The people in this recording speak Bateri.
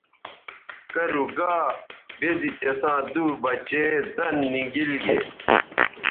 کرُو گا بے زی تِساں دُو بچے زَن نی گیل گے۔